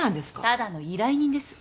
ただの依頼人です。